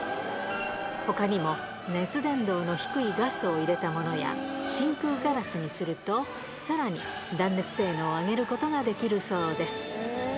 ほかにも熱伝導の低いガスを入れたものや、真空ガラスにすると、さらに断熱性能を上げることができるそうです。